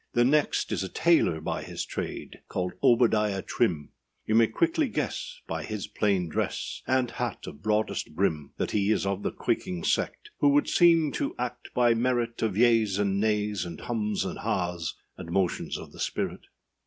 The nextâs a tailor by his trade, Called Obadiah Trim; You may quickly guess, by his plain dress, And hat of broadest brim, That he is of the Quaking sect, Who would seem to act by merit Of yeas and nays, and hums and hahs, And motions of the spirit.